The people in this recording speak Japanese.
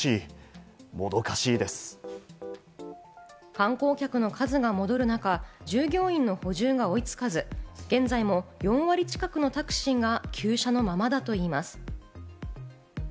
観光客の数が戻る中、従業員の補充が追いつかず、現在も４割近くのタクシーが休車のままだといいます。